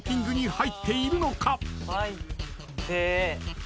入って。